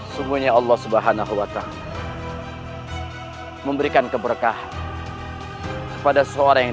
sungguhnya allah subhanahuwata'ala memberikan keberkahan kepada seorang yang